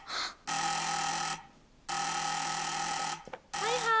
はいはい！